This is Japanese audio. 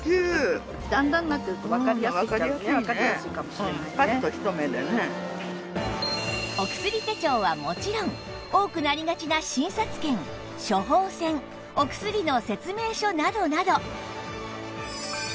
そんな皆さんにお薬手帳はもちろん多くなりがちな診察券処方せんお薬の説明書などなど